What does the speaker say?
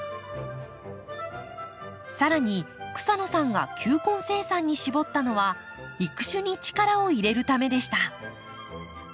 さらに草野さんが球根生産に絞ったのは育種に力を入れるためでした。